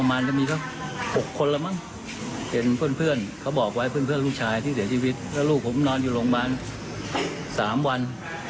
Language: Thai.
ไม่มีใครไปสอบถามอะไรบ้างเลย